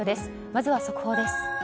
まずは速報です。